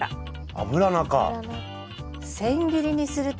アブラナ。